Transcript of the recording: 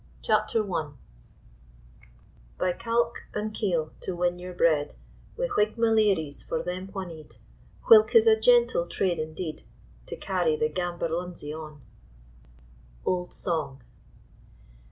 CHAPTER I By Cauk and keel to win your bread, Wi' whigmaleeries for them wha need, Whilk is a gentle trade indeed To carry the gaberlunzie on. Old Song.